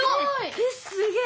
えっすげえ！